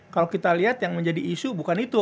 kalau kita lihat yang menjadi isu bukan itu